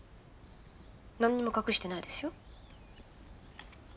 なんにも隠してないですよ。